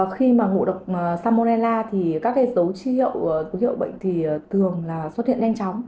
khi ngộ độc samolella thì các dấu chi hiệu bệnh thường xuất hiện nhanh chóng